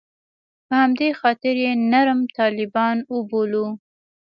په همدې خاطر یې نرم طالبان وبولو.